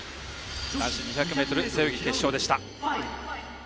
男子２００ｍ背泳ぎ決勝でした。